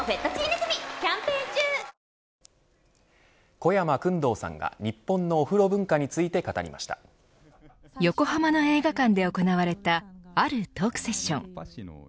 小山薫堂さんが日本のお風呂文化について横浜の映画館で行われたあるトークセッション。